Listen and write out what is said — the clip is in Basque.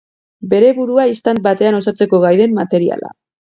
Bere burua istant batean osatzeko gai den materiala.